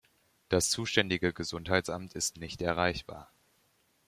Das zuständige Gesundheitsamt ist nicht erreichbar.